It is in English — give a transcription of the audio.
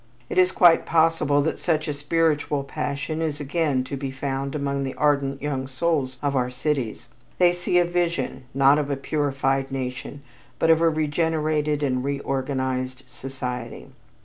It is quite possible that such a spiritual passion is again to be found among the ardent young souls of our cities. They see a vision, not of a purified nation but of a regenerated and a reorganized society.